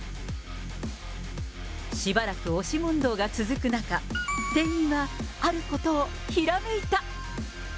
しばらく押し問答が続く中、店員はあることをひらめいた。